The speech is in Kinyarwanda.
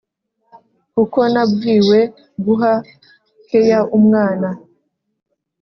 Kuko nabwiwe guha care umwana